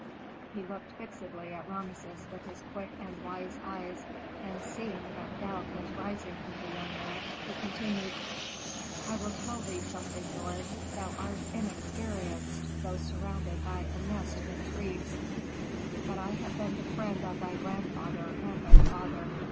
He looked fixedly at Rameses with his quick and wise eyes, and seeing that doubt was rising in the young man, he continued, "I will tell thee something, lord. Thou art inexperienced, though surrounded by a net of intrigues, but I have been the friend of thy grandfather and thy father.